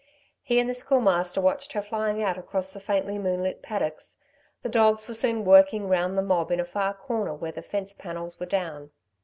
He and the Schoolmaster watched her flying out across the faintly moonlit paddocks. The dogs were soon working round the mob in a far corner where the fence panels were down.